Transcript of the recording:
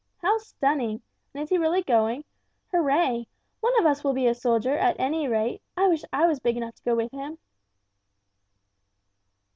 "How stunning! And is he really going? Hurray! One of us will be a soldier, at any rate. I wish I was big enough to go with him."